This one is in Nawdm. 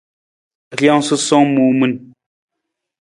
Rijang susowang muu min.